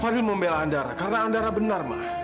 fadhil membela andara karena andara benar ma